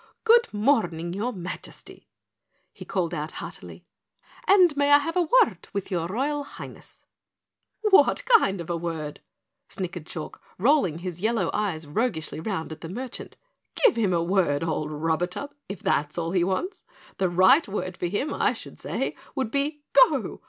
"Good morning, your Majesty!" he called out heartily. "And may I have a word with your Royal Highness?" "What kind of a word?" snickered Chalk, rolling his yellow eyes roguishly round at the merchant. "Give him a word, old Rub atub, if that's all he wants. The right word for him, I should say, would be 'GO!'